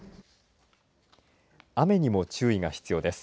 雨にも注意が必要です。